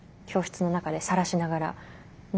教室の中でさらしながら。